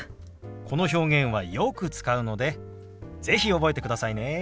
この表現はよく使うので是非覚えてくださいね。